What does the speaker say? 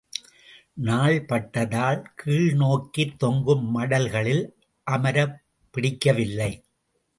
நாள்பட்டதால் கீழ் நோக்கித் தொங்கும் மடல்களில் அமரப் பிடிக்கவில்லை.